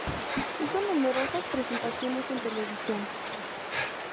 Hizo numerosas presentaciones en televisión.